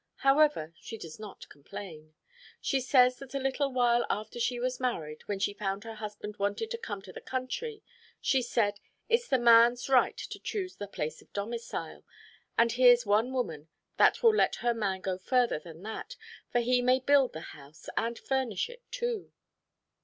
However, she does not complain. She says that a little while after she was married, when she found her husband wanted to come to the country, she said, "It's the man's right to choose the place of domicile, and here's one woman that will let her man go further than that, for he may build the house, and furnish it too."